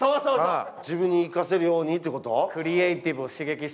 自分に言い聞かせるようにってこと？